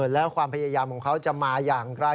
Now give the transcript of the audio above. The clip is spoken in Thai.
แล้วความพยายามของเขาจะมาอย่างไร